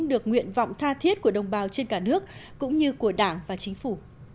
được nguyện vọng tha thiết của đồng bào trên cả nước cũng như của đảng và chính phủ